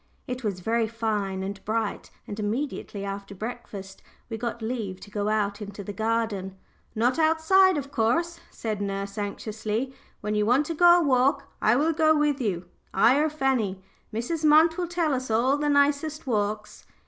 It was very fine and bright, and immediately after breakfast we got leave to go out into the garden. "Not outside, of course," said nurse, anxiously. "When you want to go a walk I will go with you I or Fanny. Mrs. Munt will tell us all the nicest walks."